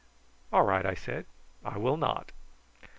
"All right!" I said. "I will not."